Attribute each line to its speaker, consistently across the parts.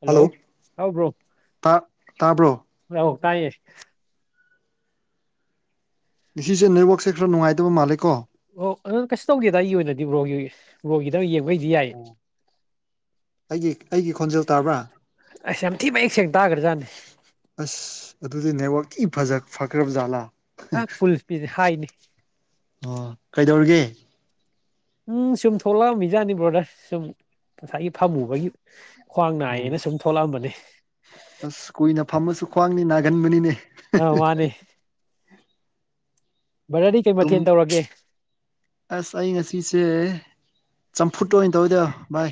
Speaker 1: hello ꯍꯥꯎ bro
Speaker 2: ꯇꯥꯕ꯭ꯔꯣ
Speaker 1: ꯍꯂꯥꯎ ꯇꯥꯏꯌꯦ
Speaker 2: ꯉꯤꯁꯤꯁꯦ ꯅꯦꯠꯋꯥꯛꯁꯦ ꯈꯔ ꯉꯥꯏꯇꯕ ꯃꯥꯜꯂꯦꯀꯣ
Speaker 1: ꯑꯣ ꯑꯗꯨꯅ ꯀꯩꯁꯨ ꯇꯧꯒꯦꯗ ꯑꯩꯒꯤ ꯑꯣꯏꯅꯗꯤ ꯕ꯭ꯔꯣꯒꯤ ꯕ꯭ꯔꯣꯒꯤꯗꯪ ꯌꯦꯡꯕꯩꯗꯤ ꯌꯥꯏꯌꯦ
Speaker 2: ꯑꯩꯒꯤ ꯑꯩꯒꯤ ꯈꯣꯟꯖꯦꯜ ꯇꯥꯕ꯭ꯔꯥ
Speaker 1: ꯑꯁ ꯌꯥꯝ ꯊꯤꯅꯃꯌꯦꯛ ꯁꯦꯡꯅ ꯇꯥꯒ꯭ꯔꯖꯥꯠꯅꯦ
Speaker 2: ꯑꯁ ꯑꯗꯨꯗꯤ ꯅꯦꯠꯋꯥꯛꯀꯤ ꯐꯖꯥ ꯐꯈ꯭ꯔꯕ ꯖꯥꯠꯂꯥ
Speaker 1: [unintelligible] ꯍꯥꯏꯅꯤ
Speaker 2: ꯑꯣ ꯀꯩꯗꯧꯔꯤꯒꯦ
Speaker 1: ꯎꯝ ꯁꯨꯝ ꯊꯣꯛꯂꯛꯑꯝꯃꯤꯖꯠꯅꯤ ꯕꯣꯗꯔ ꯁꯨꯝ ꯉꯁꯥꯏꯒꯤ ꯐꯝꯃꯨꯕꯒꯤ ꯈ꯭ꯋꯥꯡ ꯅꯥꯏꯌꯦꯅ ꯁꯨꯝ ꯊꯣꯛꯂꯛꯑꯝꯕꯅꯦ
Speaker 2: ꯑꯁ ꯀꯨꯏꯅ ꯐꯝꯃꯁꯨ ꯈ꯭ꯋꯥꯡꯅꯤ ꯅꯥꯒꯟꯕꯅꯤꯅꯦ
Speaker 1: ꯑꯧ ꯃꯥꯅꯦ ꯕꯔꯗꯤ ꯀꯩ
Speaker 2: ꯇꯨꯝ
Speaker 1: ꯃꯊꯦꯜ ꯇꯧꯔꯒꯦ
Speaker 2: ꯑꯁ ꯑꯩ ꯉꯁꯤꯁꯦ ꯆꯝꯐꯨꯠ ꯑꯣꯏ ꯇꯧꯋꯏꯗ ꯚꯥꯏ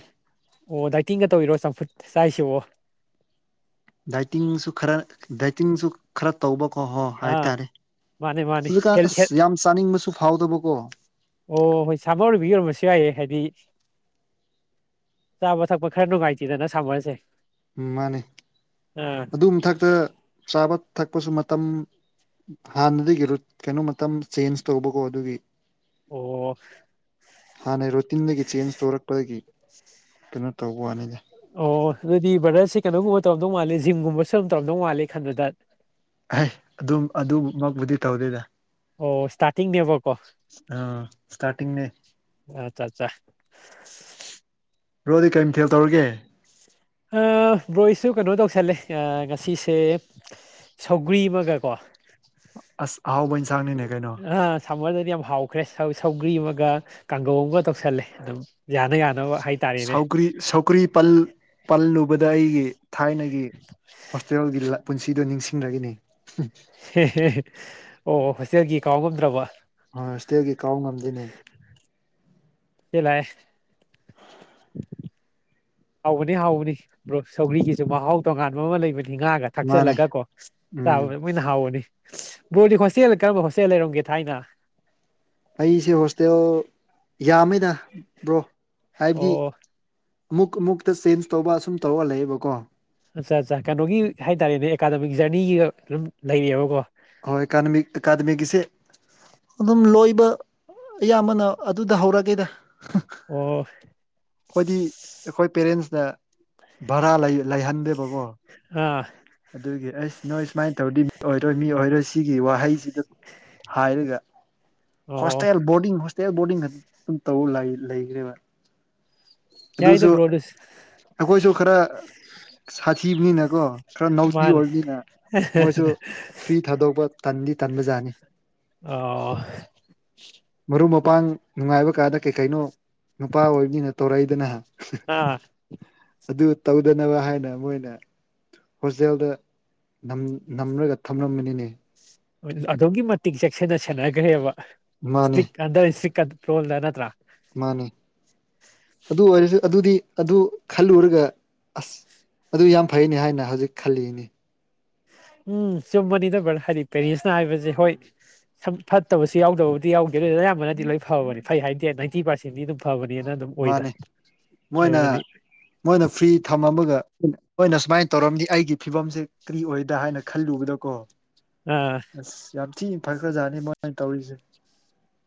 Speaker 1: ꯑꯣ ꯗꯥꯏꯇꯤꯡꯒ ꯇꯧꯔꯤꯔꯣ ꯆꯝꯐꯨꯠ ꯆꯥꯁꯤꯕꯣ
Speaker 2: ꯗꯥꯏꯇꯤꯡꯁꯨ ꯈꯔ ꯗꯥꯏꯇꯤꯡꯁꯨ ꯈꯔ ꯇꯧꯕꯀꯣ ꯍꯣ
Speaker 1: ꯑꯥ
Speaker 2: ꯍꯥꯏꯇꯥꯔꯦ
Speaker 1: ꯃꯥꯅꯦ ꯃꯥꯅꯦ
Speaker 2: ꯍꯧꯖꯤꯛꯀꯥꯟ
Speaker 1: ꯍꯦꯜ ꯍꯦꯜ
Speaker 2: ꯑꯁ ꯌꯥꯝ ꯆꯥꯅꯤꯡꯕꯁꯨ ꯐꯥꯎꯗꯕꯀꯣ
Speaker 1: ꯑꯣ ꯍꯣꯏ ꯁꯥꯕ ꯑꯣꯏꯔꯤꯕ ꯌ ꯑꯣꯏꯔꯝꯕꯁꯨ ꯌꯥꯏꯑ ꯍꯥꯏꯗꯤ ꯆꯥꯕ ꯊꯛꯄ ꯈꯔ ꯅꯨꯡꯉꯥꯏꯇꯦꯗꯅ ꯁꯥꯝꯃꯔꯁꯦ
Speaker 2: ꯎꯝ ꯃꯥꯅꯦ
Speaker 1: ꯑꯥ
Speaker 2: ꯃꯥꯊꯛꯇ ꯆꯥꯕ ꯊꯛꯄꯁꯨ ꯃꯇꯝ ꯍꯥꯟꯅꯗꯒꯤ ꯔꯨꯠ ꯀꯩꯅꯣ ꯃꯇꯝ ꯆꯦꯟꯖ ꯇꯧꯕꯀꯣ ꯑꯗꯨꯒꯤ
Speaker 1: ꯑꯣ
Speaker 2: ꯍꯥꯟꯅ ꯔꯣꯇꯤꯟꯗꯒꯤ ꯆꯦꯟꯖ ꯇꯧꯔꯛꯄꯗꯒꯤ ꯀꯩꯅꯣ ꯇꯧꯕ ꯋꯥꯅꯤꯗ
Speaker 1: ꯑꯣ ꯑꯗꯨꯗꯤ ꯕꯗꯠꯁꯦ ꯀꯩꯅꯣ ꯒꯨꯝꯕ ꯇꯧꯔꯝꯗꯧ ꯃꯥꯜꯂꯦ ꯖꯤꯝꯒꯨꯝꯕꯁꯨ ꯑꯗꯨ ꯇꯧꯔꯝꯗꯧ ꯃꯥꯜꯂꯦ ꯑꯩꯅ ꯈꯟꯕꯗꯠ
Speaker 2: ꯍꯩ ꯑꯗꯨꯝ ꯑꯗꯨꯃꯛꯕꯨꯨꯗꯤ ꯇꯧꯗꯦꯗ
Speaker 1: ꯑꯣ ꯏꯁꯇꯥꯔꯇꯤꯡꯅꯦꯕ ꯀꯣ
Speaker 2: ꯑ ꯏꯁꯇꯥꯇꯤꯡꯅꯦ
Speaker 1: ꯑꯆꯥ ꯑꯠꯆꯥ
Speaker 2: ꯕꯣꯔꯗꯤ ꯀꯩ ꯃꯊꯦꯜ ꯇꯧꯔꯒꯦ
Speaker 1: ꯑ ꯕ꯭ꯔꯣꯏꯑꯩꯁꯨ ꯀꯩꯅꯣ ꯇꯧꯁꯜꯂꯦ ꯑ ꯉꯁꯤꯁꯦ ꯁꯧꯒ꯭ꯔꯤ ꯑꯃꯒ ꯀꯣ
Speaker 2: ꯑꯁ ꯑꯍꯥꯎꯕ ꯏꯟꯁꯥꯡꯅꯤꯅꯦ ꯀꯩꯅꯣ
Speaker 1: ꯑꯥ ꯁꯝꯃꯔꯗꯗꯤ ꯌꯥꯝ ꯍꯥꯎꯈ꯭ꯔꯦ ꯁꯧ ꯁꯧꯒ꯭ꯔꯤ ꯑꯃꯒ ꯀꯥꯡꯒꯧ ꯑꯃꯒ ꯇꯧꯁꯜꯂꯦ ꯑꯗꯨꯝ ꯌꯥꯅ ꯌꯥꯅꯕ ꯍꯥꯏꯇꯥꯔꯦꯅꯦ
Speaker 2: ꯁꯧꯒ꯭ꯔꯤ ꯁꯧꯒ꯭ꯔꯤ ꯄꯜ ꯄꯜꯂꯨꯕꯗ ꯑꯩꯒꯤ ꯊꯥꯏꯅꯒꯤ ꯍꯣꯁꯇꯦꯜꯒꯤ ꯂ ꯄꯨꯟꯁꯤꯗꯣ ꯅꯤꯡꯁꯤꯡꯂꯛꯏꯅꯦ
Speaker 1: ꯍꯦ ꯍꯦ ꯍꯦ ꯑꯣ ꯍꯣꯁꯇꯦꯜꯒꯤ ꯀꯥꯎꯉꯝꯗ꯭ꯔꯕ
Speaker 2: ꯑ ꯍꯣꯁꯇꯦꯜꯒꯤ ꯀꯥꯎ ꯉꯝꯗꯦꯅꯦ
Speaker 1: ꯇꯦꯂꯥꯏ ꯍꯥꯎꯕꯅꯤ ꯍꯥꯎꯕꯅꯤ ꯕ꯭ꯔꯣ ꯁꯧꯒ꯭ꯔꯤꯒꯤꯁꯨ ꯃꯍꯥꯎ ꯇꯣꯉꯥꯟꯕ ꯑꯃ ꯂꯩꯕꯅꯤ ꯉꯥꯒ
Speaker 2: ꯃꯥꯅꯦ
Speaker 1: ꯊꯥꯛꯆꯜꯂꯒ ꯀꯣ
Speaker 2: ꯎꯝ
Speaker 1: ꯆꯥꯕꯩ ꯃꯣꯏꯅ ꯍꯥꯎꯕꯅꯤ ꯕ꯭ꯔꯣꯗꯤ ꯍꯣꯁꯇꯦꯜ ꯀꯔꯝꯕ ꯍꯣꯁꯇꯦꯜ ꯂꯩꯔꯝꯒꯦ ꯊꯥꯏꯅ
Speaker 2: ꯑꯩꯁꯦ ꯍꯣꯁꯇꯦꯜ ꯌꯥꯝꯃꯦꯗ ꯕ꯭ꯔꯣ ꯍꯥꯏꯕꯗꯤ
Speaker 1: ꯑꯣ
Speaker 2: ꯑꯃꯨꯛ ꯑꯃꯨꯛꯇ ꯆꯦꯟꯖ ꯇꯧꯕ ꯑꯁꯨꯝ ꯇꯧꯔꯒ ꯂꯩꯕꯀꯣ
Speaker 1: ꯑꯠꯆꯥ ꯑꯠꯆꯥ ꯀꯩꯅꯣꯒꯤ ꯍꯥꯏꯇꯥꯔꯦꯅꯦ ꯑꯦꯀꯥꯗꯃꯤꯛ ꯖꯔꯅꯤꯒꯤꯒ ꯑꯗꯨꯝ ꯂꯩꯔꯤꯑꯕꯀꯣ
Speaker 2: ꯍꯣꯏ ꯑꯦꯀꯥꯗꯃꯤꯛ ꯑꯦꯀꯥꯗꯃꯤꯛꯒꯤꯁꯦ ꯑꯗꯨꯝ ꯂꯣꯏꯕ ꯑꯌꯥꯝꯕꯅ ꯑꯗꯨꯗ ꯍꯧꯔꯒꯦꯗ ꯍ
Speaker 1: ꯑꯣ
Speaker 2: ꯑꯩꯈꯣꯏꯗꯤ ꯑꯩꯈꯣꯏ ꯄꯦꯔꯦꯟꯁꯅ ꯚꯔꯥ ꯂꯩ ꯂꯩꯍꯟꯗꯦꯕꯀꯣ
Speaker 1: ꯑꯥ
Speaker 2: ꯑꯗꯨꯒꯤ ꯑꯁ ꯅꯣꯏ ꯁꯨꯃꯥꯏ ꯇꯧꯔꯗꯤ ꯃꯤ ꯑꯣꯏꯔꯣꯏ ꯃꯤ ꯑꯣꯏꯔꯣꯏ ꯁꯤꯒꯤ ꯋꯥꯍꯩꯁꯤ ꯍꯥꯏꯔꯒ
Speaker 1: ꯑꯣ
Speaker 2: ꯍꯣꯁꯇꯦꯜꯕꯨ ꯕꯣꯔꯗꯤꯡ ꯍꯣꯁꯇꯦꯜ ꯕꯣꯔꯗꯤꯡꯗ ꯑꯗꯨꯝ ꯇꯧ ꯂꯩ ꯂꯩꯒ꯭ꯔꯦꯕ
Speaker 1: ꯌꯥꯏꯗ
Speaker 2: ꯑꯗꯨꯁꯨ
Speaker 1: ꯕ꯭ꯔꯣ
Speaker 2: ꯑꯩꯈꯣꯏꯁꯨ ꯈꯔ ꯁꯥꯊꯤꯕꯅꯤꯅꯀꯣ ꯈꯔ ꯅꯥꯎꯇꯤ
Speaker 1: ꯃꯥꯅꯦ
Speaker 2: ꯑꯣꯏꯕꯅꯤꯅ ꯃꯣꯏꯁꯨ ꯐ꯭ꯔꯤ ꯊꯥꯗꯣꯛꯄ ꯇꯟꯗꯤ ꯇꯟꯕꯖꯥꯠꯅꯤ
Speaker 1: ꯑꯣ
Speaker 2: ꯃꯔꯨꯞ ꯃꯄꯥꯡ ꯅꯨꯡꯉꯥꯏꯕ ꯀꯥꯗ ꯀꯩ ꯀꯩꯅꯣ ꯅꯨꯄꯥ ꯑꯣꯏ ꯅꯤꯅ ꯇꯧꯔꯛꯏꯗꯅ
Speaker 1: ꯑꯥ
Speaker 2: ꯑꯗꯨ ꯇꯧꯗꯅꯕ ꯍꯥꯏꯅ ꯃꯣꯏꯅ ꯍꯣꯁꯇꯦꯜꯗ ꯅꯝ ꯅꯝꯔꯒ ꯊꯝꯂꯝꯕꯅꯤꯅꯦ
Speaker 1: ꯑꯗꯨꯛꯀꯤ ꯃꯇꯤꯛ ꯆꯦꯛꯁꯟꯅ ꯁꯦꯟꯅꯒ꯭ꯔꯦꯕ
Speaker 2: ꯃꯥꯅꯦ
Speaker 1: ꯁ꯭ꯇꯤꯛ ꯑꯟꯗꯔ ꯁ꯭ꯇꯤꯛ ꯀꯟꯇ꯭ꯔꯣꯜꯗ ꯅꯠꯇ꯭ꯔꯥ
Speaker 2: ꯃꯥꯅꯤ ꯑꯗꯨ ꯑꯣꯏꯔꯁꯨ ꯑꯗꯨꯗꯤ ꯑꯗꯨ ꯈꯜꯂꯨꯔꯒ ꯑꯁ ꯑꯗꯨ ꯌꯥꯝ ꯐꯩꯅꯤ ꯍꯥꯏꯅ ꯍꯧꯖꯤꯛ ꯈꯜꯂꯤꯅꯤ
Speaker 1: ꯎꯝ ꯆꯨꯝꯕꯅꯤꯗ ꯕ꯭ꯔꯗꯔ ꯍꯥꯏꯗꯤ ꯄꯦꯔꯦꯟꯁꯅ ꯍꯥꯏꯕꯁꯦ ꯍꯣꯏ ꯁꯨꯝ ꯐꯠꯇꯕꯁꯨ ꯌꯥꯎꯗꯕ ꯗꯤꯌꯥꯎꯗꯦ ꯑꯗꯨ ꯑꯌꯥꯝꯅꯗꯤ ꯂꯣꯏ ꯐꯕꯅꯤ ꯐꯩ ꯍꯥꯏꯗꯦ ꯅꯥꯏꯟꯇꯤ ꯄꯥꯔꯁꯦꯟ ꯗꯤ ꯑꯗꯨꯝ ꯐꯕꯅꯦꯅ ꯑꯗꯨꯝ ꯑꯣꯏꯗ
Speaker 2: ꯃꯥꯅꯦ ꯃꯣꯏꯅ
Speaker 1: ꯍꯥꯏꯕꯗꯤ
Speaker 2: ꯃꯣꯏꯅ ꯐ꯭ꯔꯤ ꯊꯝꯃꯝꯃꯒ ꯎꯝ ꯍꯣꯏꯅ ꯁꯨꯃꯥꯏ ꯇꯧꯔꯝꯗꯤ ꯑꯩꯒꯤ ꯐꯤꯕꯝꯁꯦ ꯀꯔꯤ ꯑꯣꯏꯗ ꯍꯥꯏꯅ ꯈꯜꯂꯨꯕꯗꯀꯣ
Speaker 1: ꯑ
Speaker 2: ꯑꯁ ꯌꯥꯝ ꯊꯤ ꯐꯈ꯭ꯔꯖꯥꯠꯅꯤ ꯃꯣꯏꯅ ꯇꯧꯔꯤꯁꯦ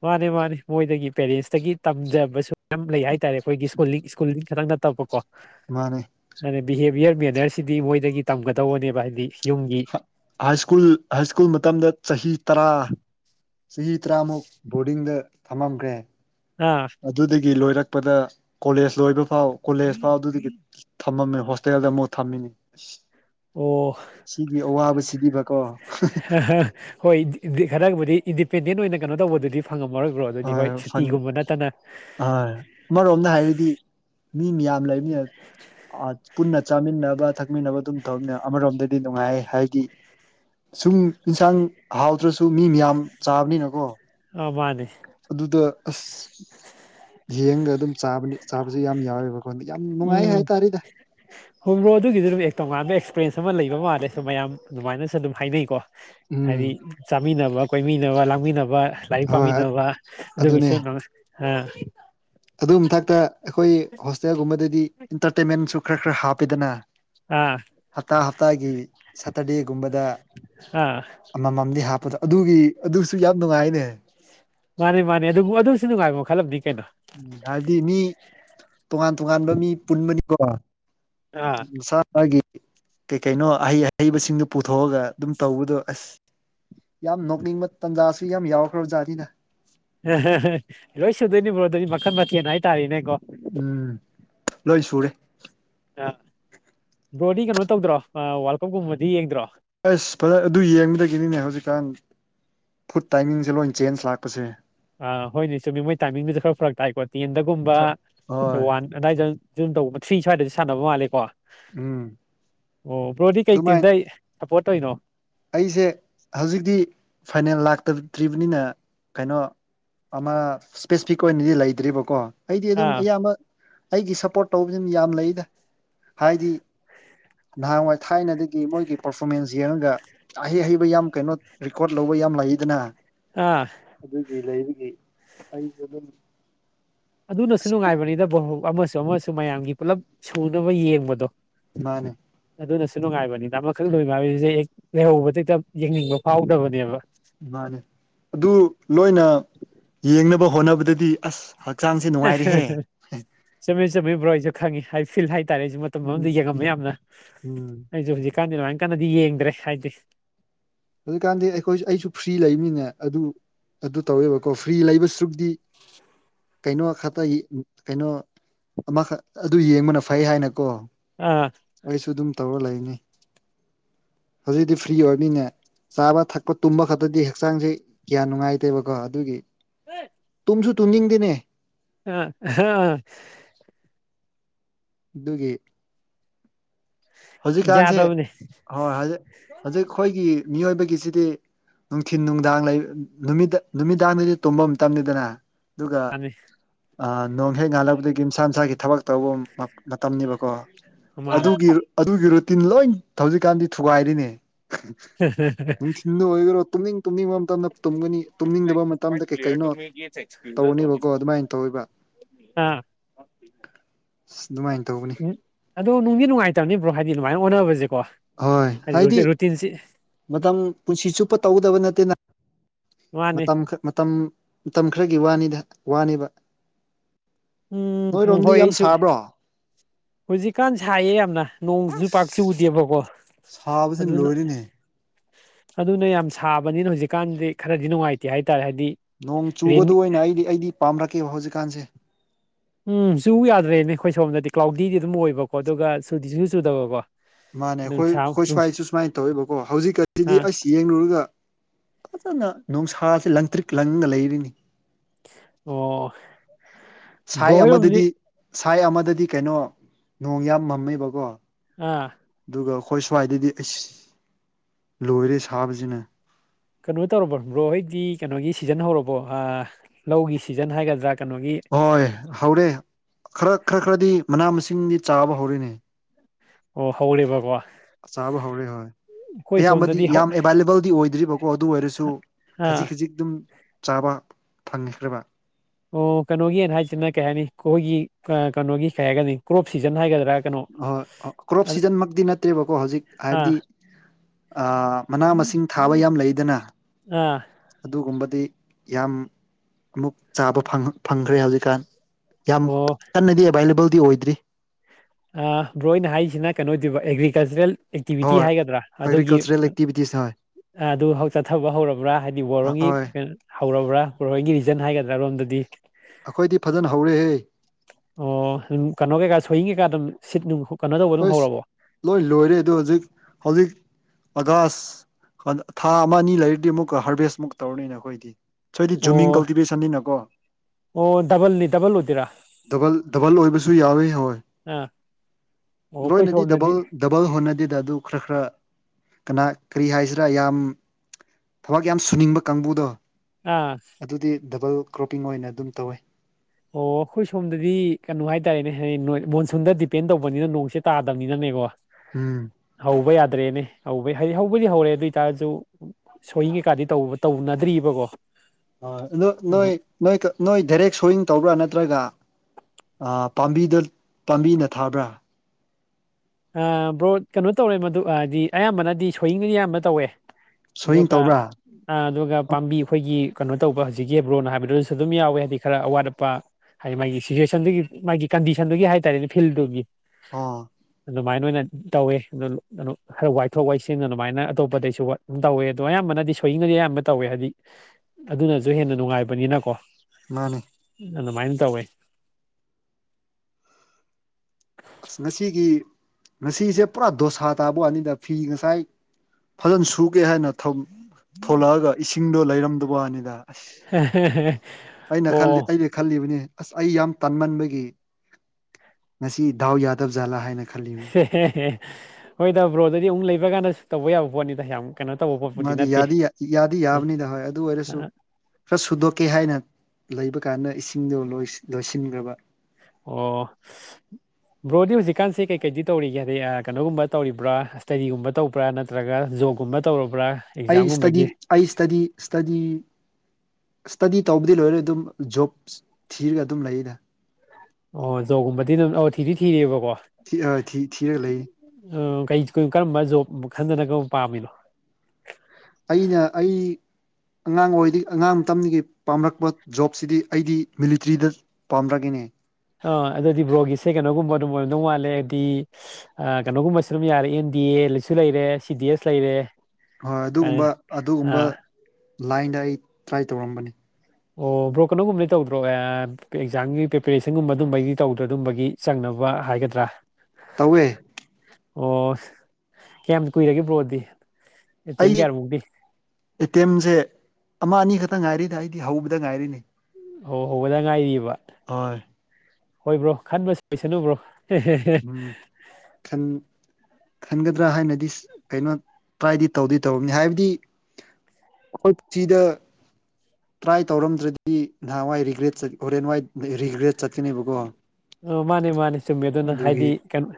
Speaker 1: ꯃꯥꯅꯤ ꯃꯥꯅꯤ ꯃꯣꯏꯗꯒꯤ ꯄꯦꯔꯦꯟꯁꯇꯒꯤ ꯇꯝꯖꯕꯁꯨ ꯌꯥꯝ ꯂꯩ ꯍꯥꯏꯇꯥꯔꯦ ꯑꯩꯈꯣꯏꯒꯤ ꯀꯨꯂꯤꯡ ꯁ꯭ꯀꯨꯂꯤꯡ ꯈꯤꯇꯪ ꯅꯠꯇꯕꯀꯣ
Speaker 2: ꯃꯥꯅꯦ
Speaker 1: ꯁꯥꯏꯅ ꯕꯤꯍꯦꯕꯤꯌꯔ ꯃꯦꯅꯔꯁꯤꯗꯤ ꯃꯣꯏꯗꯒꯤ ꯇꯝꯒꯗꯧꯕꯅꯦꯕ ꯍꯥꯏꯕꯗꯤ ꯌꯨꯝꯒꯤ
Speaker 2: ꯍꯥꯏ ꯁ꯭ꯀꯨꯜ ꯍꯥꯏ ꯁ꯭ꯀꯨꯜ ꯃꯇꯝꯗ ꯆꯍꯤ ꯇꯔꯥ ꯆꯍꯤ ꯇꯔꯥꯃꯨꯛ ꯕꯣꯔꯗꯤꯡꯗ ꯊꯝꯃꯝꯈ꯭ꯔꯦ
Speaker 1: ꯑꯥ
Speaker 2: ꯑꯗꯨꯗꯒꯤ ꯂꯣꯏꯔꯛꯄꯗ ꯀꯣꯂꯦꯖ ꯂꯣꯏꯕ ꯐꯥꯎ ꯀꯣꯂꯦꯖ ꯐꯥꯎ ꯑꯗꯨꯗꯒꯤ ꯊꯝꯃꯝꯃꯦ ꯍꯣꯁꯇꯦꯜꯗ ꯑꯃꯨꯛ ꯊꯝꯃꯤꯅꯤ
Speaker 1: ꯑꯣ
Speaker 2: ꯁꯤꯒꯤ ꯑꯋꯥꯕꯁꯤꯗꯤꯕ
Speaker 1: ꯍ ꯍ ꯍꯣꯏ ꯗꯤ ꯗꯤ ꯈꯔꯕꯨꯗꯤ ꯏꯟꯗꯤꯄꯦꯟꯗꯦꯟ ꯑꯣꯏꯅ ꯀꯩꯅꯣ ꯇꯧꯕꯗꯨꯗꯤ ꯐꯪꯉꯝꯃꯔꯣꯏ ꯕ꯭ꯔꯣ ꯑꯗꯨꯗꯤ ꯍꯣꯏ ꯁꯨꯇꯤꯒꯨꯝꯕ ꯅꯠꯇꯅ
Speaker 2: ꯍ‌ꯣꯏ ꯑꯃꯔꯣꯝꯗ ꯍꯥꯏꯔꯗꯤ ꯃꯤ ꯃꯌꯥꯝ ꯂꯩꯃꯤꯅ ꯄꯨꯟꯅ ꯆꯥꯃꯤꯟꯅꯕ ꯊꯛꯃꯤꯟꯅꯕ ꯑꯗꯨꯝ ꯇꯧꯅꯤ ꯑꯃꯔꯣꯝꯗꯗꯤ ꯅꯨꯡꯉꯥꯏ ꯍꯥꯏꯗꯤ ꯁꯨꯝ ꯌꯦꯟꯁꯥꯡ ꯍꯥꯎꯗ꯭ꯔꯁꯨ ꯃꯤ ꯃꯌꯥꯝ ꯆꯥꯕꯅꯤꯅꯀꯣ
Speaker 1: ꯑꯣ ꯃꯥꯅꯤ
Speaker 2: ꯑꯗꯨꯗ ꯑꯁ ꯌꯦꯡꯒ ꯑꯗꯨꯝ ꯆꯥꯕꯅꯤ ꯆꯥꯕꯁꯨ ꯌꯥꯝ ꯌꯥꯎꯋꯦꯕ ꯑꯩꯈꯣꯟꯗ ꯌꯥꯝ ꯅꯨꯡꯉꯥꯏ ꯍꯥꯏꯇꯥꯔꯦꯗꯤ
Speaker 1: ꯍꯣꯡꯕ꯭ꯔꯣ ꯑꯗꯨꯒꯤꯁꯨ ꯑꯗꯨꯝ ꯇꯣꯉꯥꯟꯕ ꯑꯦꯛꯁꯄꯔꯦꯟꯁ ꯑꯃ ꯂꯩꯕ ꯃꯥꯜꯂꯦꯁꯨ ꯃꯌꯥꯝ ꯑꯗꯨꯃꯥꯏꯅꯁꯨ ꯑꯗꯨꯝ ꯍꯥꯏꯅꯩꯀꯣ
Speaker 2: ꯎꯝ
Speaker 1: ꯍꯥꯏꯗꯤ ꯆꯥꯃꯤꯟꯅꯕ ꯀꯣꯏꯃꯤꯟꯅꯕ ꯂꯥꯡꯃꯤꯟꯅꯕ ꯂꯥꯏꯔꯤꯛ
Speaker 2: ꯍꯣꯏ
Speaker 1: ꯄꯥꯝꯃꯤꯟꯅꯕ ꯑꯗꯨꯒꯤꯁꯨ
Speaker 2: ꯑꯗꯨꯅꯦ
Speaker 1: ꯅꯨꯡ ꯑꯥ
Speaker 2: ꯑꯗꯨ ꯃꯊꯛꯇ ꯑꯩꯈꯣꯏ ꯍꯣꯁꯇꯦꯜꯒꯨꯝꯕꯗꯗꯤ ꯏꯟꯇꯔꯇꯦꯟꯃꯦꯟꯁꯨ ꯈꯔ ꯈꯔ ꯍꯥꯞꯄꯤꯗꯅ
Speaker 1: ꯑꯥ
Speaker 2: ꯍꯞꯇꯥ ꯍꯞꯇꯥꯒꯤ ꯁꯇꯔꯗꯦꯒꯨꯝꯕꯗ
Speaker 1: ꯑꯥ
Speaker 2: ꯑꯃꯃꯝꯗꯤ ꯍꯥꯞꯄꯗ ꯑꯗꯨꯒꯤ ꯑꯗꯨꯁꯨ ꯌꯥꯝ ꯅꯨꯡꯉꯥꯏꯅꯦ
Speaker 1: ꯃꯥꯅꯦ ꯃꯥꯅꯦ ꯑꯗꯨꯕꯨ ꯑꯗꯨꯁꯨ ꯅꯨꯡꯉꯥꯏꯕ ꯃꯈꯜ ꯑꯃꯅꯤꯗꯤ ꯀꯩꯅꯣ
Speaker 2: ꯎꯝ ꯍꯥꯏꯕꯗꯤ ꯃꯤ ꯇꯣꯉꯥꯟ ꯇꯣꯉꯥꯟꯕ ꯃꯤ ꯄꯨꯟꯕꯅꯤꯀꯣ
Speaker 1: ꯑꯥ
Speaker 2: ꯃꯁꯥꯒꯤ ꯀꯩ ꯀꯩꯅꯣ ꯑꯍꯩ ꯑꯍꯩꯕꯁꯤꯡꯗꯨ ꯄꯨꯊꯣꯛꯑꯒ ꯑꯗꯨꯝ ꯇꯧꯕꯗꯣ ꯑꯁ ꯌꯥꯝ ꯅꯣꯛꯅꯤꯡꯕ ꯇꯥꯟꯖꯥꯁꯨ ꯌꯥꯝ ꯌꯥꯎꯔꯈ꯭ꯔꯦ ꯖꯥꯅꯤꯗ
Speaker 1: ꯂꯣꯏ ꯁꯨꯗꯣꯏꯅꯤꯕ꯭ꯔꯣ ꯑꯗꯨꯗꯤ ꯃꯈꯟ ꯃꯊꯦꯜ ꯍꯥꯏꯇꯥꯥꯔꯦꯅꯦꯀꯣ
Speaker 2: ꯎꯝ ꯂꯣꯏ ꯁꯨꯔꯦ
Speaker 1: ꯕ꯭ꯔꯣꯗꯤ ꯀꯩꯅꯣ ꯇꯧꯗ꯭ꯔꯣ ꯋꯥꯔꯜ ꯀꯞꯀꯨꯝꯕꯗꯤ ꯌꯦꯡꯗ꯭ꯔꯣ
Speaker 2: ꯑꯁ ꯐꯖꯅ ꯑꯗꯨ ꯌꯦꯡꯕꯗꯒꯤꯅꯤꯅꯦ ꯍꯧꯖꯤꯛꯀꯥꯟ ꯐꯨꯗ ꯇꯥꯏꯃꯤꯡꯁꯦ ꯂꯣꯏ ꯆꯦꯟꯖ ꯂꯥꯛꯄꯁꯦ
Speaker 1: ꯑ ꯍꯣꯏꯅꯦ ꯆꯨꯝꯃꯤ ꯃꯣꯏ ꯇꯥꯏꯃꯤꯡꯗꯨꯁꯨ ꯈꯔ ꯐꯔꯛ ꯇꯥꯏꯀꯣ ꯇꯦꯟꯗꯒꯨꯝꯕ
Speaker 2: ꯍꯣꯏ
Speaker 1: ꯋꯥꯟ ꯑꯗꯨꯗꯥꯏꯗ ꯖꯨꯝ ꯇꯧꯕ ꯊ꯭ꯔꯤ ꯁ꯭ꯋꯥꯏꯗꯗꯤ ꯁꯥꯟꯅꯕ ꯃꯥꯜꯂꯦꯀꯣ
Speaker 2: ꯎꯝ
Speaker 1: ꯑꯣ ꯕ꯭ꯔꯣꯗꯤ ꯀꯩ
Speaker 2: ꯑꯗꯨꯃꯥꯏ
Speaker 1: ꯇꯤꯝꯗ ꯁꯞꯄꯣꯔꯠ ꯇꯧꯅꯣ
Speaker 2: ꯑꯩꯁꯦ ꯍꯧꯖꯤꯛꯇꯤ ꯐꯥꯏꯅꯦꯜ ꯂꯥꯛꯇꯗ꯭ꯔꯤꯕꯅꯤꯅ ꯀꯩꯅꯣ ꯑꯃ ꯏꯁꯄꯦꯁꯤꯐꯤꯛ ꯑꯣꯏꯅꯗꯤ ꯂꯩꯗ꯭ꯔꯤꯕꯀꯣ ꯑꯩꯗꯤ ꯑꯗꯨꯝ
Speaker 1: ꯑꯥ
Speaker 2: ꯑꯌꯥꯝꯕ ꯑꯩꯒꯤ ꯁꯞꯄꯣꯔꯠ ꯇꯧꯕꯁꯤꯅ ꯌꯥꯝ ꯂꯩꯗ ꯍꯥꯏꯗꯤ ꯅꯍꯥꯟꯋꯥꯏ ꯊꯥꯏꯅꯗꯒꯤ ꯃꯣꯏꯒꯤ ꯄꯔꯐꯣꯔꯃꯦꯟꯁ ꯌꯦꯡꯉꯒ ꯑꯍꯩ ꯍꯩꯕ ꯌꯥꯝ ꯀꯩꯅꯣ ꯔꯦꯀꯣꯔꯠ ꯂꯧꯕ ꯌꯥꯝ ꯂꯩꯌꯦꯗꯅ
Speaker 1: ꯑꯥ
Speaker 2: ꯑꯗꯨꯒꯤ ꯂꯩꯕꯒꯤ ꯑꯩꯁꯨ ꯑꯗꯨꯝ
Speaker 1: ꯑꯗꯨꯅꯁꯨ ꯅꯨꯡꯉꯥꯏꯕꯅꯤꯗ ꯕꯥꯕꫭꯛ ꯑꯃꯁꯨ ꯑꯃꯁꯨ ꯃꯌꯥꯝꯒꯤ ꯄꯨꯜꯂꯞ ꯁꯨꯅꯕ ꯌꯦꯡꯕꯗꯣ
Speaker 2: ꯃꯥꯅꯦ
Speaker 1: ꯑꯗꯨꯅꯁꯨ ꯅꯨꯡꯉꯥꯏꯕꯅꯤꯗꯥ ꯑꯃꯈꯛ ꯂꯣꯏꯅꯔꯤꯁꯤꯁꯦ [unintelligible] ꯍꯦꯛ ꯂꯩꯍꯧꯕꯗ ꯍꯦꯛꯇ ꯌꯦꯡꯅꯤꯡꯕ ꯐꯥꯎꯗꯕꯅꯦꯕ
Speaker 2: ꯃꯥꯅꯦ ꯑꯗꯨ ꯂꯣꯏꯅ ꯌꯦꯡꯅꯕ ꯍꯣꯠꯅꯕꯗꯗꯤ ꯑꯁ ꯍꯛꯆꯥꯡꯁꯦ ꯅꯨꯡꯉꯥꯏꯔꯦꯍꯦ
Speaker 1: ꯆꯨꯝꯃꯤ ꯆꯨꯝꯃꯤ ꯕ꯭ꯔꯣ ꯑꯩꯁꯨ ꯈꯪꯉꯤ ꯍꯥꯏ ꯐꯤꯜ ꯍꯥꯏꯇꯥꯔꯦ ꯑꯩꯁꯨ ꯃꯇꯨꯝ
Speaker 2: ꯎꯝ
Speaker 1: ꯑꯃꯗꯥ ꯌꯦꯡꯉꯝꯃ‌ꯦ ꯌꯥꯝꯅ
Speaker 2: ꯎꯝ
Speaker 1: ꯑꯩꯁꯨ ꯍꯧꯖꯤꯛꯀꯥꯟꯗꯤ ꯑꯗꯨꯃꯥꯏ ꯀꯟꯅꯗꯤ ꯌꯦꯡꯗ꯭ꯔꯦ ꯍꯥꯏꯗꯤ
Speaker 2: ꯍꯧꯖꯤꯛꯀꯥꯟꯗꯤ ꯑꯩꯈꯣꯏ ꯑꯩꯁꯨ ꯐ꯭ꯔꯤ ꯂꯩꯕꯅꯤꯅꯥ ꯑꯗꯨ ꯑꯗꯨ ꯇꯧꯋꯦꯕꯀꯣ ꯐ꯭ꯔꯤ ꯂꯩꯕ ꯁꯔꯨꯛꯇꯤ ꯀꯩꯅꯣ ꯈꯛꯇ ꯀꯩꯅꯣ ꯑꯃꯈꯛ ꯑꯗꯨ ꯌꯦꯡꯕꯅ ꯐꯩ ꯍꯥꯏꯅꯀꯣ
Speaker 1: ꯑꯥ
Speaker 2: ꯑꯩꯁꯨ ꯑꯗꯨꯝ ꯇꯧꯔꯥ ꯂꯩꯕꯅꯤ ꯍꯧꯖꯤꯛꯇꯤ ꯐ꯭ꯔꯤ ꯑꯣꯏꯔꯅꯤꯅꯦ ꯆꯥꯕ ꯊꯛ ꯇꯨꯝꯕ ꯈꯛꯇꯗꯤ ꯍꯛꯆꯥꯡꯁꯦ ꯀꯌꯥ ꯅꯨꯡꯉꯥꯏꯇꯦꯕꯀꯣ ꯑꯗꯨꯒꯤ
Speaker 1: ꯍ [unintelligible]
Speaker 2: ꯇꯨꯝꯁꯨ ꯇꯨꯡꯅꯤꯡꯗꯦꯅꯦ
Speaker 1: ꯑ ꯍꯥ [unintelligible]
Speaker 2: ꯑꯗꯨꯒꯤ ꯍꯧꯖꯤꯛꯀꯥꯟꯁꯤ
Speaker 1: ꯌꯥꯗꯕꯅꯤ
Speaker 2: ꯍꯧꯖꯤꯛ ꯍꯧꯖꯤꯛ ꯑꯩꯈꯣꯏꯒꯤ ꯃꯤꯑꯣꯏꯕꯒꯤꯁꯤꯗꯤ ꯅꯨꯡꯊꯤꯟ ꯅꯨꯡꯗꯥꯡ ꯂꯩ ꯅꯨꯃꯤꯗꯥꯡ ꯅꯨꯃꯤꯗꯥꯡꯗꯗꯤ ꯇꯨꯝꯕ ꯃꯇꯝꯅꯤꯗꯅ ꯑꯗꯨꯒ
Speaker 1: ꯃꯥꯅ‌ꯦ
Speaker 2: ꯅꯣꯡ ꯍꯦꯛ ꯉꯥꯜꯂꯛꯄꯗꯒꯤ ꯃꯁꯥ ꯃꯁꯥꯒꯤ ꯊꯕꯛ ꯇꯧꯕ ꯃꯇꯝꯅ‌ꯦꯕꯀꯣ
Speaker 1: ꯃꯥꯅꯤ
Speaker 2: ꯑꯗꯨꯒꯤ ꯑꯗꯨꯒꯤ ꯔꯨꯇꯤꯟ ꯂꯣꯏ ꯍꯧꯖꯤꯛꯀꯥꯟꯗꯤ ꯊꯨꯒꯥꯏꯔꯤꯅꯦ ꯑꯗꯨ ꯑꯣꯏꯒꯦꯔꯣ ꯇꯨꯝꯅꯤꯡ ꯇꯨꯝꯅꯤꯡꯕ ꯃꯇꯝꯗꯥ ꯇꯨꯝꯒꯅꯤ ꯇꯨꯝꯅꯤꯡꯗꯕ ꯃꯇꯝꯗ ꯀꯩꯀꯩꯅꯣ ꯇꯧꯅꯦꯕꯀꯣ ꯑꯗꯨꯃꯥꯏꯅ ꯇꯧꯋ‌ꯦꯕꯥ
Speaker 1: ꯍꯥ
Speaker 2: ꯑꯁ ꯑꯗꯨꯃꯥꯏꯅ ꯇꯧꯕꯅꯤ
Speaker 1: ꯑꯗꯣ ꯅꯨꯡꯗꯤ ꯅꯨꯡꯉꯥꯏꯇꯕꯅꯦꯕ꯭ꯔꯣ ꯍꯥꯏꯗꯤ ꯑꯗꯨꯃꯥꯏꯅ ꯑꯣꯟꯅꯕꯁꯦꯀꯣ ꯍꯥꯏꯗꯤ ꯔꯨꯇꯤꯟꯁꯤ
Speaker 2: ꯃꯇꯝ ꯄꯨꯟꯁꯤ ꯆꯨꯞꯄ ꯇꯧꯒꯗꯕ ꯅꯠꯇꯦꯅ
Speaker 1: ꯃꯥꯅꯤ
Speaker 2: ꯃꯇꯝ ꯈꯔꯥ ꯃꯇꯝ ꯃꯇꯝ ꯈꯔꯒꯤ ꯋꯥꯅꯤꯗ ꯋꯥꯅꯦꯕ
Speaker 1: ꯎꯝ ꯎꯝ
Speaker 2: ꯅꯣꯏꯔꯣꯝꯗꯤ
Speaker 1: ꯍꯣꯏ
Speaker 2: ꯌꯥꯝ
Speaker 1: ꯑꯩꯁꯨ
Speaker 2: ꯁꯥꯕ꯭ꯔꯣ
Speaker 1: ꯍꯧꯖꯤꯛꯀꯥꯟ ꯁꯥꯏꯌꯦ ꯌꯥꯝꯅ ꯅꯣꯡꯁꯨ ꯄꯥꯛ
Speaker 2: ꯑꯁ
Speaker 1: ꯆꯨꯗꯦꯕꯀꯣ
Speaker 2: ꯁꯥꯕꯁꯤ
Speaker 1: ꯑꯗꯨꯅ
Speaker 2: ꯂꯣꯏꯔꯤꯅꯦ
Speaker 1: ꯑꯗꯨꯅ‌ꯦ ꯌꯥꯝ ꯁꯥꯕꯅꯤꯅ ꯍꯧꯖꯤꯛꯀꯥꯟꯗꯤ ꯈꯔꯗꯤ ꯅꯨꯡꯉꯥꯏꯇꯦ ꯍꯥꯏꯇꯥꯔꯦ ꯍꯥꯏꯗꯤ
Speaker 2: ꯅꯣꯡ
Speaker 1: ꯔꯦꯟ
Speaker 2: ꯆꯨꯕꯗꯨ ꯑꯣꯏꯅ ꯑꯩꯗꯤ ꯑꯩꯗꯤ ꯄꯥꯝꯔꯛꯀꯦ ꯍꯧꯖꯤꯛꯀꯥꯟꯁꯦ
Speaker 1: ꯎꯝ ꯆꯨ ꯌꯥꯗ꯭ꯔꯦꯅꯦ ꯑꯩꯈꯣꯏ ꯁꯣꯝꯗꯗꯤ ꯀ꯭ꯂꯥꯎꯗꯤ ꯑꯗꯨꯝ ꯑꯣꯏꯕꯀꯣ ꯑꯗꯨꯒ ꯆꯨꯗꯤ ꯁꯨꯡꯆꯨ ꯆꯨꯗꯕꯀꯣ
Speaker 2: ꯃꯥꯅꯦ ꯑꯩꯈꯣꯏ
Speaker 1: ꯅꯨꯡꯁꯥ
Speaker 2: ꯑꯩꯈꯣꯏ
Speaker 1: ꯅꯨꯡꯁꯥ
Speaker 2: ꯁ꯭ꯋꯥꯏꯁꯨ ꯁꯨꯃꯥꯏꯅ ꯇꯧꯋꯦꯕꯀꯣ ꯍꯧꯖꯤꯛꯀꯁꯤꯗꯤ
Speaker 1: ꯑꯥ
Speaker 2: ꯑꯁ ꯌꯦꯡꯂꯨꯔꯒ ꯐꯖꯅ ꯅꯨꯡꯁꯥꯁꯦ ꯂꯪꯇ꯭ꯔꯤꯛ ꯂꯪꯒ ꯂꯩꯔꯤꯅꯤ
Speaker 1: ꯑꯣ
Speaker 2: ꯁꯥꯏ
Speaker 1: ꯕ꯭ꯔꯣ ꯍꯣꯏꯔꯣꯝꯗꯤ
Speaker 2: ꯑꯃꯗꯗꯤ ꯁꯥꯏ ꯑꯃꯗꯗꯤ ꯀꯩꯅꯣ ꯅꯣꯡ ꯌꯥꯝ ꯃꯝꯃꯦꯕꯀꯣ
Speaker 1: ꯑꯥ
Speaker 2: ꯑꯗꯨꯒ ꯑꯩꯈꯣꯏ ꯁ꯭ꯋꯥꯏꯗꯗꯤ ꯏꯁ ꯂꯣꯏꯔꯦ ꯁꯥꯕꯁꯤꯅ
Speaker 1: ꯀꯩꯅꯣ ꯇꯧꯔꯕ ꯕ꯭ꯔꯣ ꯍꯣꯏꯗꯤ ꯀꯩꯅꯣꯒꯤ ꯁꯤꯖꯟ ꯍꯧꯔꯕꯣ ꯑꯥ ꯂꯧꯒꯤ ꯁꯤꯖꯟ ꯍꯥꯏꯒꯗ꯭ꯔꯥ ꯀꯩꯅꯣꯒꯤ
Speaker 2: ꯍꯣꯏ ꯍꯧꯔꯦ ꯈꯔ ꯈꯔ ꯈꯔꯗꯤ ꯃꯅꯥ ꯃꯁꯤꯡꯗꯤ ꯆꯥꯕ ꯍꯧꯔꯤꯅꯦ
Speaker 1: ꯑꯣ ꯍꯧꯔꯦꯕꯀꯣ
Speaker 2: ꯆꯥꯕ ꯍꯧꯔꯦ ꯍꯣꯏ
Speaker 1: ꯑꯩꯈꯣꯏ
Speaker 2: ꯑꯌꯥꯝꯕꯗꯤ
Speaker 1: ꯁꯣꯝꯗꯗꯤ ꯍꯧ
Speaker 2: ꯌꯥꯝ ꯑꯦꯕꯥꯏꯂꯦꯕꯜꯗꯤ ꯑꯣꯏꯗ꯭ꯔꯤꯕꯀꯣ ꯑꯗꯨ ꯑꯣꯏꯔꯁꯨ
Speaker 1: ꯑꯥ
Speaker 2: ꯈꯖꯤꯛ ꯈꯖꯤꯛ ꯑꯗꯨꯝ ꯆꯥꯕ ꯐꯪꯈ꯭ꯔꯕ
Speaker 1: ꯑꯣ ꯀꯩꯅꯣꯒꯤꯅ ꯍꯥꯏꯁꯤꯅ ꯀꯩ ꯍꯥꯏꯅꯤ ꯑꯩꯈꯣꯏꯒꯤ ꯀꯩꯅꯣꯒꯤ ꯀꯩ ꯍꯥꯏꯒꯅꯤ ꯀ꯭ꯔꯣꯞ ꯁꯤꯖꯟ ꯍꯥꯏꯒꯗ꯭ꯔꯥ ꯀꯩꯅꯣ
Speaker 2: ꯑꯣꯏ ꯀ꯭ꯔꯣꯞ ꯁꯤꯖꯟꯃꯛꯇꯤ ꯅꯠꯇ꯭ꯔꯦꯕꯀꯣ ꯍꯧꯖꯤꯛ
Speaker 1: ꯑꯥ
Speaker 2: ꯍꯥꯏꯕꯗꯤ ꯃꯅꯥ ꯃꯁꯤꯡ ꯊꯥꯕ ꯌꯥꯝ ꯂꯩꯗꯅ
Speaker 1: ꯑ
Speaker 2: ꯑꯗꯨꯒꯨꯝꯕꯗꯤ ꯌꯥꯝ ꯑꯃꯨꯛ ꯆꯥꯕ ꯐꯪꯈ꯭ꯔꯦ ꯍꯧꯖꯤꯛꯀꯥꯟ ꯌꯥꯝ
Speaker 1: ꯑꯣ
Speaker 2: ꯀꯟꯅꯗꯤ ꯑꯦꯕꯥꯏꯂꯦꯕꯜꯗꯤ ꯑꯣꯏꯗ꯭ꯔꯤ
Speaker 1: ꯕ꯭ꯔꯣꯅ ꯍꯥꯏꯔꯤꯁꯤꯅ ꯀꯩꯅꯣꯗꯕ ꯑꯦꯒ꯭ꯔꯤꯀꯜꯆꯔꯦꯜ ꯑꯦꯛꯇꯤꯕꯤꯇꯤ ꯍꯥꯏꯒꯗ꯭ꯔꯥ ꯑꯗꯨꯒꯤ
Speaker 2: ꯁꯣ꯭ꯔꯦꯜ ꯑꯦꯛꯇꯤꯇꯤꯁ ꯍ‌ꯣꯏ
Speaker 1: ꯑꯗꯨ ꯍꯧ ꯆꯠꯊꯕ ꯍꯧꯔꯕ꯭ꯔꯥ ꯍꯥꯏꯗꯤ
Speaker 2: ꯍꯣꯏ
Speaker 1: ꯕꯣꯔꯣꯒꯤ
Speaker 2: ꯍꯣꯏ
Speaker 1: ꯀꯩꯅ ꯍꯧꯔꯕ꯭ꯔꯥ ꯍꯣꯔ ꯍꯣꯏꯒꯤ ꯔꯤꯖꯟ ꯍꯥꯏꯒꯗ꯭ꯔꯥ ꯔꯣꯝꯗꯗꯤ
Speaker 2: ꯑꯩꯈꯣꯏꯗꯤ ꯐꯖꯅ ꯍꯧꯔꯦꯍꯦ
Speaker 1: ꯑꯣ ꯀꯩꯅꯣ ꯀꯩꯀꯥ ꯁꯣꯏꯋꯤꯡ ꯀꯩꯀꯥ ꯑꯗꯨꯝ ꯁꯤꯠ ꯅꯨꯡ ꯀꯩꯅꯣ ꯇꯧꯕ ꯑꯗꯨꯝ
Speaker 2: ꯑꯁ
Speaker 1: ꯍꯧꯔꯕꯣ
Speaker 2: ꯂꯣꯏ ꯂꯣꯏꯔꯦ ꯑꯗ ꯍꯧꯖꯤꯛ ꯍꯧꯖꯤꯛ ꯑꯒꯥꯁ ꯊꯥ ꯑꯃ ꯑꯅꯤ ꯂꯩꯔꯗꯤ ꯑꯃꯨꯛ ꯍꯥꯔꯔꯕꯦꯁꯃꯨꯛ ꯇꯧꯔꯅꯤꯅꯦ ꯑꯩꯈꯣꯏꯗꯤ ꯁꯣꯏꯗꯤ
Speaker 1: ꯑꯣ
Speaker 2: ꯖꯨꯃꯤꯡ ꯀꯜꯇꯤꯚꯦꯁꯟꯅꯤꯅ ꯀꯣ
Speaker 1: ꯑꯣ ꯗꯕꯜꯅꯤ ꯗꯕꯜ ꯑꯣꯏꯗꯣꯏꯔꯥ
Speaker 2: ꯗꯕꯜ ꯗꯕꯜ ꯑꯣꯏꯕꯁꯨ ꯌꯥꯎꯋꯦ ꯍꯣꯏ
Speaker 1: ꯑ ꯑꯣ ꯑꯩꯈꯣꯏ
Speaker 2: ꯂꯣꯏꯅꯗꯤ
Speaker 1: ꯁ‌ꯣꯟꯗꯗꯤ
Speaker 2: ꯗꯕꯜ ꯗꯕꯜ ꯍꯣꯟꯠꯅꯗꯦꯗ ꯑꯗꯨ ꯈꯔ ꯈꯔ ꯀꯅꯥ ꯀꯔꯤ ꯍꯥꯏꯁꯤꯔꯥ ꯌꯥꯝ ꯊꯕꯛ ꯌꯥꯝ ꯁꯨꯅꯤꯡꯕ ꯀꯥꯡꯕꯨꯗꯣ
Speaker 1: ꯑꯥ
Speaker 2: ꯑꯗꯨꯗꯤ ꯗꯕꯜ ꯀ꯭ꯔꯣꯞꯄꯤꯡ ꯑꯣꯏꯅ ꯑꯗꯨꯝ ꯇꯧꯋꯦ
Speaker 1: ꯑꯣ ꯑꯩꯈꯣꯏ ꯁꯣꯝꯗꯗꯤ ꯀꯩꯅꯣ ꯍꯥꯏꯇꯥꯔꯦꯅꯦ ꯅꯣꯏ- ꯃꯣꯟꯁꯨꯟꯗ ꯗꯤꯄꯦꯟ ꯇꯧꯕꯅꯤꯅ ꯅꯣꯡꯁꯦ ꯇꯥꯗꯕꯅꯤꯅꯦꯀꯣ
Speaker 2: ꯎꯝ
Speaker 1: ꯍꯧꯕ ꯌꯥꯗ꯭ꯔꯦꯅꯦ ꯍꯧꯕꯩ ꯍꯧꯕꯨꯗꯤꯍꯧꯔꯦ ꯑꯗ‌ꯣꯏꯇꯥꯔꯁꯨ ꯁꯣꯌꯤ ꯀꯩꯀꯥꯗꯤ ꯇ- ꯇꯧꯅꯗ꯭ꯔꯤꯕꯀꯣ
Speaker 2: ꯑ ꯑꯗꯨ ꯅꯣꯏ ꯅꯣꯏ ꯅꯣꯏ ꯗꯥꯏꯔꯦꯛ ꯁꯣꯋꯤꯡ ꯇꯧꯕ꯭ꯔꯥ ꯅꯠꯇ꯭ꯔꯒ ꯄꯥꯝꯕꯤꯗꯣ ꯄꯥꯝꯕꯤꯅ ꯊꯥꯕ꯭ꯔꯥ
Speaker 1: ꯕ꯭ꯔꯣ ꯀꯩꯅꯣ ꯇꯧꯔꯦ ꯃꯗꯨ ꯑꯌꯥꯝꯕꯅꯗꯤ ꯁꯣꯏꯋꯤꯡꯅ ꯑꯌꯥꯝꯕ ꯇꯧꯋꯦ
Speaker 2: ꯁꯣꯋꯤꯡ
Speaker 1: ꯑꯗꯣꯒ
Speaker 2: ꯇꯧꯕ꯭ꯔꯥ
Speaker 1: ꯑꯗꯨꯒ ꯄꯥꯝꯕꯤ ꯑꯩꯈꯣꯏꯒꯤ ꯀꯩꯅꯣ ꯇꯧꯕ ꯍꯧꯖꯤꯛꯀꯤ ꯕ꯭ꯔꯣꯅ ꯍꯥꯏꯕꯗꯨ ꯑꯗꯨꯁꯨ ꯑꯗꯨꯝ ꯌꯥꯎꯋꯦ ꯍꯥꯏꯗꯤ ꯈꯔ ꯑꯋꯥꯠ ꯑꯄꯥ ꯍꯥꯏꯗꯤ ꯃꯥꯒꯤ ꯁꯤꯆꯨꯋꯦꯁꯟꯗꯨꯒꯤ ꯃꯥꯒꯤ ꯀꯟꯗꯤꯁꯟꯗꯨꯒꯤ ꯍꯥꯏꯇꯥꯔꯦꯅꯦ ꯐꯤꯜꯗꯨꯒꯤ
Speaker 2: ꯑꯥ
Speaker 1: ꯑꯗꯨꯃꯥꯏꯅ ꯑꯣꯏꯅ ꯇꯧꯋꯦ ꯑꯗꯨ ꯈꯔ ꯋꯥꯏꯊꯣꯛ ꯋꯥꯏꯁꯤꯟ ꯑꯗꯨꯃꯥꯏꯅ ꯑꯇꯣꯞꯄꯗꯩꯁꯨ ꯇꯧꯋꯦ ꯑꯗꯣ ꯑꯌꯥꯝꯕꯅꯗꯤ ꯁꯣꯏꯌꯤꯡꯅ ꯑꯌꯥꯝꯕ ꯇꯧꯋꯦ ꯍꯥꯏꯗꯤ ꯑꯗꯨꯅꯁꯨ ꯍꯦꯟꯅ ꯅꯨꯡꯉꯥꯏꯕꯅꯤꯅꯀꯣ
Speaker 2: ꯃꯥꯅꯦ
Speaker 1: ꯑꯗꯨꯃꯥꯏꯅ ꯇꯧꯋꯦ
Speaker 2: ꯑꯁ ꯉꯁꯤꯒꯤ ꯉꯁꯤꯁꯦ ꯄꯨꯔꯥ ꯗꯣꯁꯥ ꯇꯥꯕ ꯋꯥꯅꯤꯗ ꯐꯤ ꯉꯁꯥꯏ ꯐꯖꯅ ꯁꯨꯒꯦ ꯍꯥꯏꯅ ꯊꯣꯛ-ꯊꯣꯛꯂꯛꯑꯒ ꯏꯁꯤꯡꯗꯣ ꯂꯩꯔꯝꯗꯕꯋꯅꯤꯗ ꯑꯁ
Speaker 1: [unintelligible]
Speaker 2: ꯑꯩꯅ ꯈꯜꯂꯤ
Speaker 1: ꯑꯣ
Speaker 2: ꯑꯩꯗꯤ ꯈꯜꯂꯤꯕꯅꯤ ꯑꯁ ꯑꯩ ꯌꯥꯝ ꯇꯥꯟꯃꯟꯕꯒꯤ ꯉꯁꯤ ꯗꯥꯎ ꯌꯥꯗꯕ ꯖꯥꯜꯂꯥ ꯍꯥꯏꯅ ꯈꯜꯂꯤꯕꯅꯤ
Speaker 1: ꯍꯦ ꯍꯦ ꯍꯣꯏꯗ ꯕ꯭ꯔꯣꯗꯗꯤ ꯑꯃꯨꯛ ꯂꯩꯕꯀꯥꯟꯗꯁ ꯇꯧꯕ ꯌꯥꯕ ꯄꯣꯠꯅꯤꯗ ꯌꯥꯝ ꯀꯩꯅꯣ ꯇꯧꯕ ꯄꯣꯠꯄꯨꯗꯤ
Speaker 2: ꯃꯥꯗꯤ
Speaker 1: ꯅꯠꯇꯦ
Speaker 2: ꯌꯥꯗꯤ ꯌꯥ ꯌꯥꯗꯤ ꯌꯥꯕꯅꯤꯗ ꯍꯣꯏ ꯑꯗꯨ ꯑꯣꯏꯔꯁꯨ ꯈꯔ ꯁꯨꯗꯣꯛꯀꯦ ꯍꯥꯏꯅ ꯂꯩꯕ ꯀꯥꯟꯗ ꯏꯁꯤꯡꯗꯣ ꯂꯣꯢ ꯂꯣꯢꯁꯤꯟꯈ꯭ꯔꯕ
Speaker 1: ꯑꯣ
Speaker 2: [inaudible]
Speaker 1: ꯕ꯭ꯔꯣꯗꯤ ꯍꯧꯖꯤꯛꯀꯥꯟꯁꯦ ꯀꯩ ꯀꯩꯗꯤ ꯇꯧꯔꯤꯒꯦ ꯍꯥꯗꯤ ꯌꯥ ꯀꯩꯅꯣꯒꯨꯝꯕ ꯇꯧꯔꯤꯕ꯭ꯔꯥ ꯁ꯭ꯇꯗꯤꯒꯨꯝꯕ ꯇꯧꯕ꯭ꯔꯥ ꯅꯠ ꯇ꯭ꯔꯒ ꯖꯣꯕꯒꯨꯝꯕ ꯇꯧꯔꯛꯕ꯭ꯔꯥ
Speaker 2: ꯑꯩ ꯁ꯭ꯇꯗꯤ ꯑꯩ ꯁ꯭ꯇꯗꯤ ꯁ꯭ꯇꯗꯤ ꯁ꯭ꯇꯗꯤ ꯇꯧꯕꯗꯤ ꯂꯣꯢꯔꯦ ꯑꯗꯨꯝ ꯖꯣꯕ ꯊꯤꯔꯒ ꯑꯗꯨꯝ ꯂꯩꯌꯦꯗ
Speaker 1: ꯑꯣ ꯖꯣꯒꯨꯝꯕꯗꯤ ꯑꯗꯨꯝ ꯑꯣ ꯊꯤꯗꯤ ꯊꯤꯔꯤꯑꯕꯀꯣ
Speaker 2: ꯊꯤ ꯑ ꯊꯤ ꯊꯤꯔꯒ ꯂꯩ
Speaker 1: ꯑ ꯀꯩ ꯀ ꯀꯔꯝꯕ ꯖꯣꯕ ꯃꯈꯟꯗꯅ ꯀꯔꯝꯕ ꯄꯥꯝꯃꯤꯅꯣ
Speaker 2: ꯑꯩꯅ ꯑꯩ ꯑꯉꯥꯡ ꯑꯣꯏꯔꯤ ꯑꯉꯥꯡ ꯇꯝꯒꯤ ꯄꯥꯝꯔꯛꯄ ꯖꯣꯞꯁꯤꯗꯤ ꯑꯩꯗꯤ ꯃꯤꯂꯤꯇ꯭ꯔꯤꯗ ꯄꯝꯔꯥꯛꯏꯅꯦ
Speaker 1: ꯑꯥ ꯑꯗꯨꯗꯤ ꯕ꯭ꯔꯣꯒꯤꯁꯦ ꯀꯩꯅꯣꯒꯨꯝꯕ ꯑꯗꯨꯝ ꯑꯣꯏꯔꯝꯗꯧ ꯃꯥꯜꯂꯦ ꯗꯤ ꯑ ꯀꯅꯣꯒꯨꯝꯕꯁꯨ ꯑꯗꯨꯝ ꯌꯥꯔꯦ ꯑꯦꯟ ꯗꯤ ꯑꯦ ꯂꯁꯨ ꯂꯩꯔꯦ ꯁꯤ ꯗꯤ ꯑꯦꯁ ꯂꯩꯔꯦ
Speaker 2: ꯍꯣꯏ
Speaker 1: ꯀꯥꯏ
Speaker 2: ꯑꯗꯨꯒꯨꯝꯕ ꯑꯗꯨꯒꯨꯝꯕ
Speaker 1: ꯑꯥ
Speaker 2: ꯂꯥꯏꯟꯗ ꯑꯩ ꯇ꯭ꯔꯥꯏ ꯇꯧꯔꯝꯕꯅꯤ
Speaker 1: ꯑꯣ ꯕ꯭ꯔꯣ ꯀꯩꯅꯣꯒꯨꯝꯕꯗꯤ ꯇꯧꯗ꯭ꯔꯣ ꯑꯥ ꯀꯑꯦꯛꯖꯥꯝꯒꯤ ꯄ꯭ꯔꯤꯄꯦꯔꯦꯁꯟꯒꯨꯝꯕ ꯑꯗꯨꯝꯕꯒꯤ ꯇꯧꯗ꯭ꯔ ꯑꯗꯨꯝꯕꯒꯤ ꯆꯪꯅꯕ ꯍꯥꯏꯒꯗ꯭ꯔꯥ
Speaker 2: ꯇꯧꯋꯦ
Speaker 1: ꯑꯣ ꯀꯌꯥꯝ ꯀꯨꯏꯔꯒꯦ ꯕ꯭ꯔꯣꯗꯤ ꯑꯦꯇꯦꯝ ꯀꯌꯥꯔꯃꯨꯛꯇꯤ
Speaker 2: ꯑꯦꯇꯦꯝꯖꯦ ꯑꯃ ꯑꯅꯤ ꯈꯛꯇ ꯉꯥꯏꯔꯤꯗ ꯑꯩꯗꯤ ꯍꯧꯕꯗ ꯉꯥꯏꯔꯤꯅꯤ
Speaker 1: ꯑꯣ ꯍꯧꯕꯗ ꯉꯥꯏꯔꯤꯌꯦꯕ
Speaker 2: ꯑꯣꯏ
Speaker 1: ꯍꯣꯏ ꯕ꯭ꯔꯣ ꯈꯟꯕꯁꯨ ꯑꯣꯏꯁꯅꯨ ꯕ꯭ꯔꯣ
Speaker 2: ꯎꯝ ꯈꯟ ꯈꯟꯒꯗ꯭ꯔꯥ ꯍꯥꯏꯅꯗꯤ ꯀꯩꯅꯣ ꯇ꯭ꯔꯥꯏꯗꯤ ꯇꯧꯗꯤ ꯇꯧꯔꯝꯅꯤ ꯍꯥꯏꯕꯗꯤ ꯑꯩꯈꯣꯏ ꯄꯨꯛꯆꯤꯗ ꯇ꯭ꯔꯥꯢ ꯇꯧꯔꯝꯗ꯭ꯔꯗꯤ ꯅꯍꯥꯟꯋꯥꯢ ꯔꯤꯒ꯭ꯔꯦꯠ ꯆꯠ ꯍꯣꯔꯦꯟ ꯋꯥꯢ ꯔꯤꯒ꯭ꯔꯦꯠ ꯆꯠꯀꯅꯦꯕꯀꯣ
Speaker 1: ꯑꯣ ꯃꯥꯅꯦ ꯃꯥꯅꯦ ꯆꯨꯝꯃꯦ ꯑꯗꯨꯅ
Speaker 2: ꯑꯗꯨꯒꯤ
Speaker 1: ꯍꯥꯢꯗꯤ ꯀꯩꯅꯣ